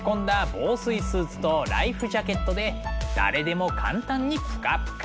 防水スーツとライフジャケットで誰でも簡単にプカプカ。